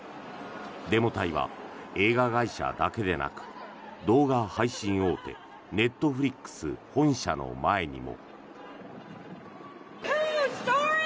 デモ隊は映画会社だけでなく動画配信大手ネットフリックス本社の前にも。